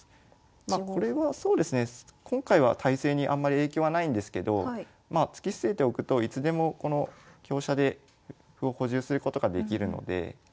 まこれはそうですね今回は態勢にあんまり影響はないんですけど突き捨てておくといつでもこの香車で歩を補充することができるので。